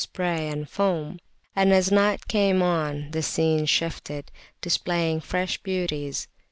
219] spray and foam. And as night came on the scene shifted, displaying fresh beauties.